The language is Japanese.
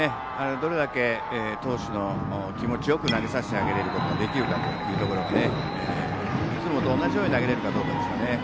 どれだけ投手が気持ちよく投げさせてあげることができるかというところがいつもと同じように投げれるかですよね。